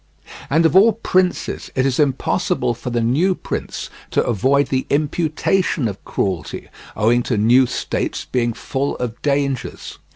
And of all princes, it is impossible for the new prince to avoid the imputation of cruelty, owing to new states being full of dangers.